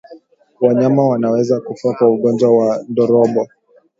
Wanyama wanaweza kufa kwa ugonjwa wa ndorobo